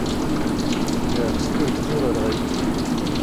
Iɛfes tirget ur irɣi.